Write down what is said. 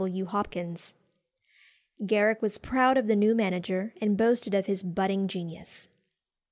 W. HOPKINS." Garrick was proud of the new manager, and boasted of his budding genius.